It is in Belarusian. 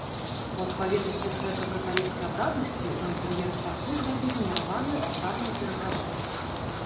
У адпаведнасці з грэка-каталіцкай абраднасцю ў інтэр'еры царквы зрабілі мураваную алтарную перагародку.